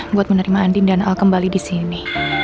buat menerima andin dan al kembali di sini